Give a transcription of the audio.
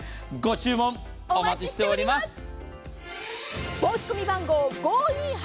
ご注文、お待ちしております。